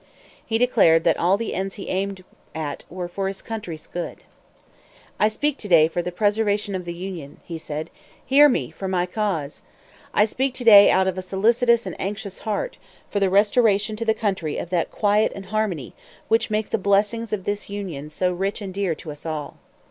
He declared that all the ends he aimed at were for his country's good. "I speak to day for the preservation of the Union," he said. "Hear me for my cause! I speak to day out of a solicitous and anxious heart, for the restoration to the country of that quiet and harmony, which make the blessings of this Union so rich and so dear to us all."